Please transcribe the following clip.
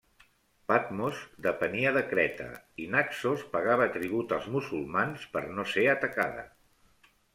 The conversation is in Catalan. Patmos depenia de Creta i Naxos pagava tribut als musulmans per no ser atacada.